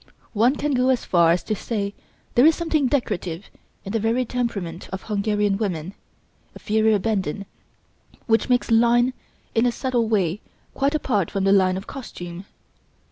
One can go so far as to say there is something decorative in the very temperament of Hungarian women, a fiery abandon, which makes line in a subtle way quite apart from the line of costume.